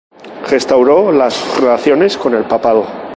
Restauró las relaciones con el papado.